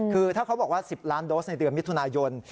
คือถ้าเขาบอกว่า๑๐ล้านโดสในเดือนมิถุนายน